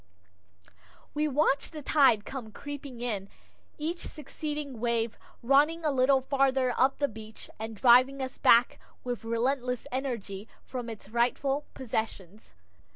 We watch the tide come creeping in, each succeeding wave running a little farther up the beach and driving us back with relentless energy from its rightful possessions.